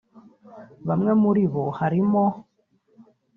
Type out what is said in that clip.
Bamwe muri bo harimo